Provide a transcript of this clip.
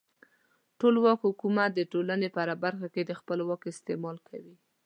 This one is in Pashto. ټولواک حکومت د ټولنې په هره برخه کې د خپل واک استعمال کوي.